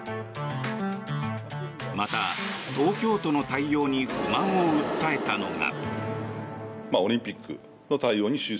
また、東京都の対応に不満を訴えたのが。